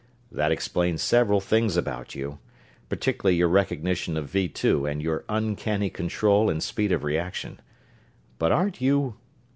"That explains several things about you particularly your recognition of Vee Two and your uncanny control and speed of reaction. But aren't you...."